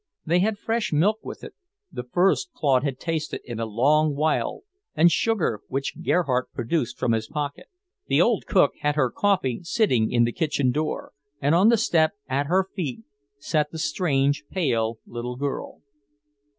They had fresh milk with it, the first Claude had tasted in a long while, and sugar which Gerhardt produced from his pocket. The old cook had her coffee sitting in the kitchen door, and on the step, at her feet, sat the strange, pale little girl.